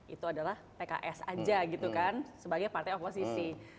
itu adalah pks aja gitu kan sebagai partai oposisi